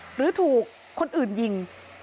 หรือถูกคนอื่นยิง